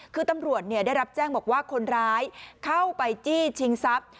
คือตำรวจได้รับแจ้งบอกว่าคนร้ายเข้าไปจี้ชิงทรัพย์